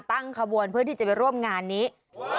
ตั้งขบวนเพื่อที่จะไปร่วมงานนี้